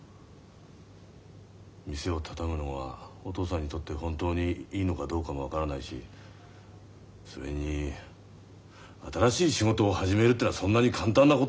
店を畳むのはお父さんにとって本当にいいのかどうかも分からないしそれに新しい仕事を始めるってのはそんなに簡単なことじゃないからね。